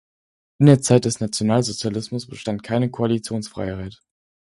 In der Zeit des Nationalsozialismus bestand keine Koalitionsfreiheit.